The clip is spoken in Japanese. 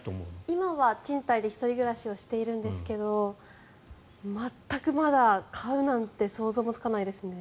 今は賃貸で１人暮らしをしているんですけど全くまだ買うなんて想像もつかないですね。